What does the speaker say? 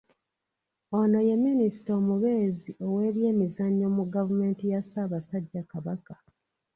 Ono ye minista omubeezi ow’ebyemizannyo mu gavumenti ya Ssaabasajja Kabaka.